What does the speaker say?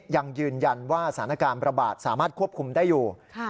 ยังยืนยันว่าสถานการณ์ประบาดสามารถควบคุมได้อยู่